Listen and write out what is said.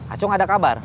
acung ada kabar